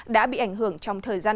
đã bị ảnh hưởng trong thời gian